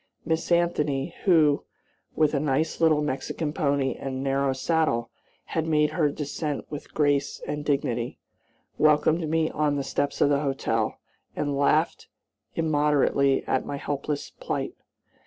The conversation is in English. Miss Anthony, who, with a nice little Mexican pony and narrow saddle, had made her descent with grace and dignity, welcomed me on the steps of the hotel, and laughed immoderately at my helpless plight.